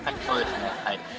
そうですねはい。